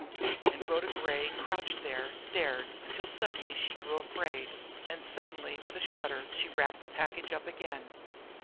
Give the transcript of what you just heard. And Rhoda Gray, crouched there, stared until suddenly she grew afraid, and suddenly with a shudder she wrapped the package up again.